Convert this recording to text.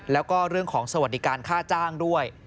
แล้วก็เรื่องของสวัสดิการค่าจ้างด้วย